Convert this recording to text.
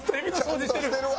ちゃんとしてるわ。